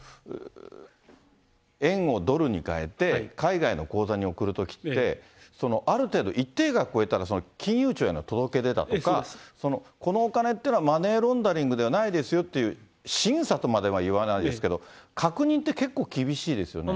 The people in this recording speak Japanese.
円をドルに換えて、海外の口座に送るときって、ある程度一定額超えたら金融庁への届け出だとか、このお金っていうのはマネーロンダリングではないですよっていう審査とまでは言わないですけど、確認って結構厳しいですよね。